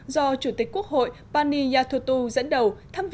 do chủ tịch quốc hội pani yathutu dẫn đầu